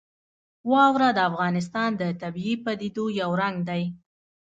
واوره د افغانستان د طبیعي پدیدو یو رنګ دی.